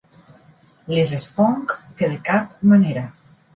Li responc que de cap manera.